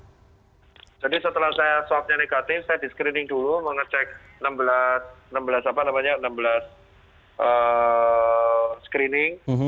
jadi setelah swabnya negatif saya di screening dulu mengecek enam belas screening